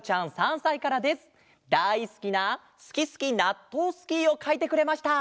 だいすきな「すきすき！ナットウスキ」をかいてくれました。